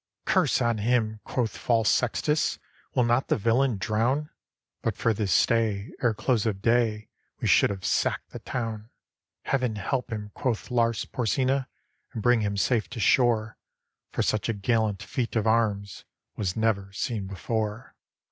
"Curse on him!" quoth false Sextus; "Will not the villain drown? But for this stay, ere close of day We should have sacked the town!" "Heaven help him!" quoth Lars Porsena, "And bring him safe to shore; For such a gallant feat of arms Was never seen before."